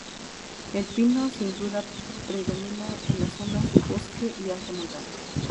El pino sin duda predomina en las zonas de bosque y alta montaña.